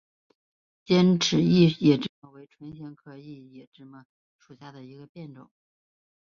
尖齿异野芝麻为唇形科异野芝麻属下的一个变种。